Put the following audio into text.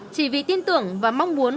chỉ vì tin tưởng và mong muốn